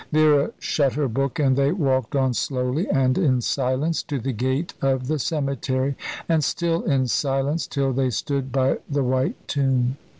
Vera shut her book, and they walked on slowly and in silence to the gate of the cemetery, and still in silence till they stood by the white tomb.